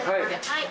はい。